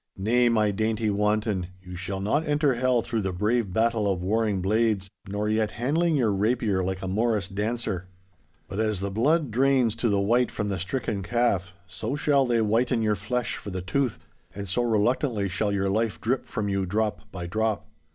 'Nay, my dainty wanton, you shall not enter Hell through the brave brattle of warring blades, nor yet handling your rapier like a morris dancer. But as the blood drains to the white from the stricken calf, so shall they whiten your flesh for the tooth, and so reluctantly shall your life drip from you drop by drop.